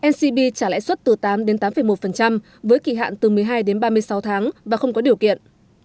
ncb trả lãi suất từ tám đến tám một với kỳ hạn từ một mươi hai đến ba mươi sáu tháng và không có điều kiện